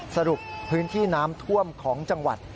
สรุปพื้นที่น้ำท่วมของจังหวัด